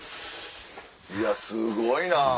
いやすごいな！